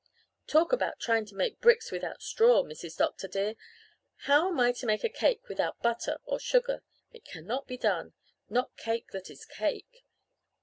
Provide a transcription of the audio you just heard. "'Talk about trying to make bricks without straw, Mrs. Dr. dear! How am I to make a cake without butter or sugar? It cannot be done not cake that is cake.